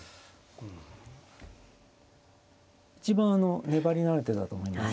一番粘りのある手だと思います。